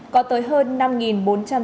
có tới hơn năm bốn trăm sáu mươi phương tiện